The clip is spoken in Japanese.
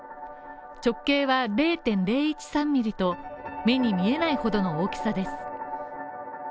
直径は０．０１３ミリと、目に見えないほどの大きさです。